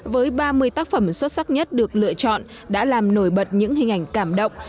với ba mươi tác phẩm xuất sắc nhất được lựa chọn đã làm nổi bật những hình ảnh cảm động